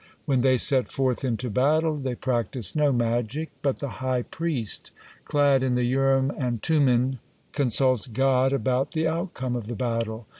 When they set forth into battle, they practice no magic, but the high priest, clad in the Urim and Tummin, consults God about the outcome of the battle.